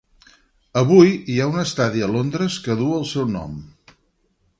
Avui hi ha un estadi a Londres que duu el seu nom.